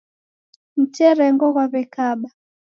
Mterengo ghwaw'ekaba.